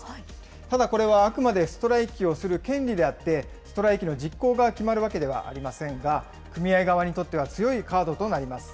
ただこれはあくまでストライキをする権利であって、ストライキの実行が決まるわけではありませんが、組合側にとっては強いカードとなります。